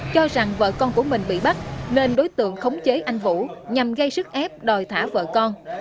cho rằng vợ con của mình bị bắt nên đối tượng khống chế anh vũ nhằm gây sức ép đòi thả vợ con